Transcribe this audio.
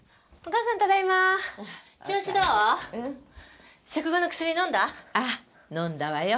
ああ飲んだわよ。